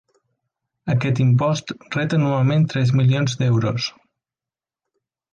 Aquest impost ret anualment tres milions d'euros.